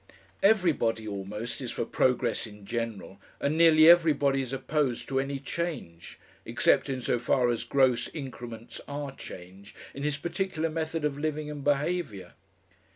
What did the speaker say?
Everybody almost is for progress in general, and nearly everybody is opposed to any change, except in so far as gross increments are change, in his particular method of living and behaviour.